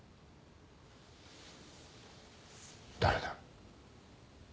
誰だ？